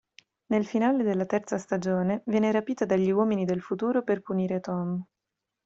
Nel finale della terza stagione viene rapita dagli uomini del futuro per punire Tom.